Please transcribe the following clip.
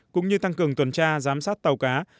cũng như tăng cường tuần tra giám sát tàu cá